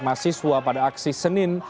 mahasiswa pada aksi senin